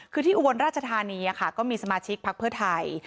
คือที่อุบลราชธานีก็มีสมาชิกพักเพื่อไทย